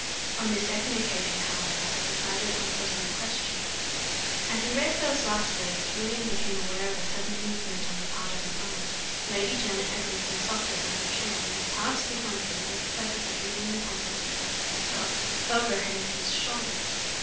On this second occasion, however, I decided on putting the question.'" As he read those last words, Julian became aware of a sudden movement on the part of his aunt. Lady Janet had risen softly from her chair and had passed behind him with the purpose of reading the consul's letter for herself over her nephew's shoulder.